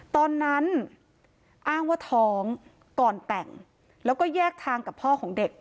ตอนนั้นอ้างว่าท้องก่อนแต่งแล้วก็แยกทางกับพ่อของเด็ก